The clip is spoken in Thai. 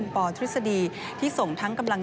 พี่โธ่แกร่ง